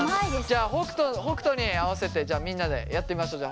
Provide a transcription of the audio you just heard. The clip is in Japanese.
じゃあ北斗に合わせてじゃあみんなでやってみましょう。